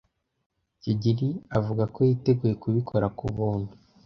kigeli avuga ko yiteguye kubikora ku buntu.